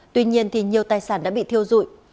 tuy nhiên nhiều tài sản đã bị thiêu dụi